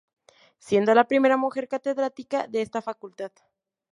Siendo la primera mujer catedrática de esta Facultad.